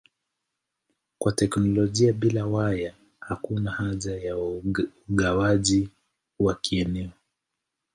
Kwa teknolojia bila waya hakuna haja ya ugawaji wa kieneo.